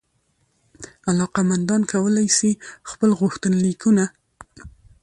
علاقمندان کولای سي خپل غوښتنلیکونه